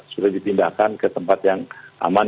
sudah dipindahkan ke tempat yang aman